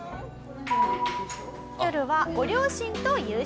夜はご両親と夕食。